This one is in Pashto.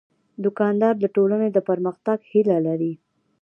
دوکاندار د ټولنې د پرمختګ هیله لري.